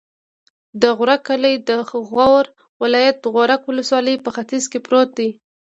د غورک کلی د غور ولایت، غورک ولسوالي په ختیځ کې پروت دی.